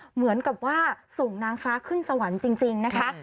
เหมือนกับว่าส่งนางฟ้าขึ้นสวรรค์จริงนะคะ